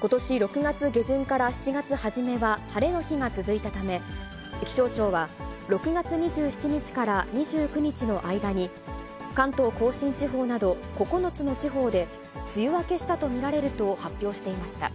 ことし６月下旬から７月初めは晴れの日が続いたため、気象庁は、６月２７日から２９日の間に、関東甲信地方など、９つの地方で梅雨明けしたと見られると発表していました。